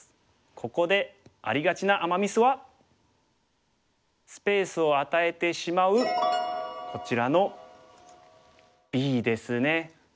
ここでありがちなアマ・ミスはスペースを与えてしまうこちらのＢですね。